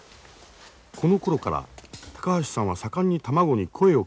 このころから高橋さんは盛んに卵に声をかけるようになった。